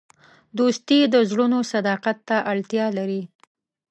دوستي د زړونو صداقت ته اړتیا لري.